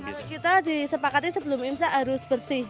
kalau kita disepakati sebelum imsak harus bersih